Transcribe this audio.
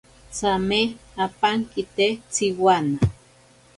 Tsame apankite tsiwana.